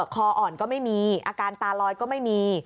คออ่อนก็ไม่มีอาการตาลอยก็ไม่มี